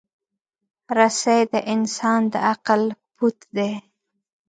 رسۍ د انسان د عقل پُت دی.